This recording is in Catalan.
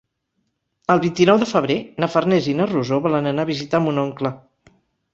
El vint-i-nou de febrer na Farners i na Rosó volen anar a visitar mon oncle.